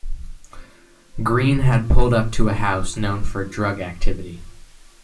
Green had pulled up to a house known for drug activity.